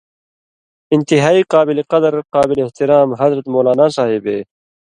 انتہائی قابل قدر قابل احترام حضرت مولانا صاحبے